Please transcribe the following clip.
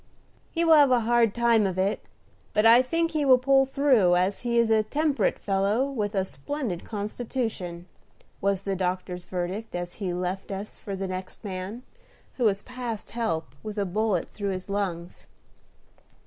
"He will have a hard time of it, but I think he will pull through, as he is a temperate fellow, with a splendid constitution," was the doctor's verdict, as he left us for the next man, who was past help, with a bullet through his lungs.